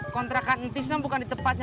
kontrakan entisnya bukan di tempatnya